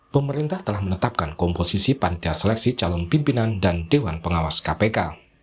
pemerintah telah menetapkan komposisi panitia seleksi calon pimpinan dan dewan pengawas kpk